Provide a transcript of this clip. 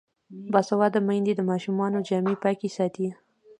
باسواده میندې د ماشومانو جامې پاکې ساتي.